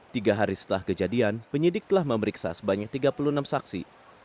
tiga hari setelah kejadian penyidik telah memeriksa sebanyak tiga puluh enam saksi